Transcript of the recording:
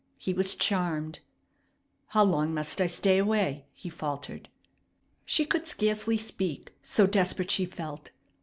He was charmed. "How long must I stay away?" he faltered. She could scarcely speak, so desperate she felt.